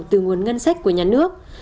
từ nguồn ngân sách của nhà nước